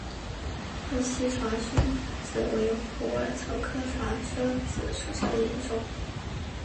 鄂西茶藨子为虎耳草科茶藨子属下的一个种。